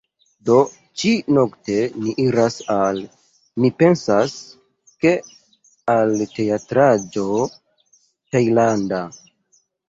Do, ĉi-nokte ni iras al... mi pensas, ke al teatraĵo tajlanda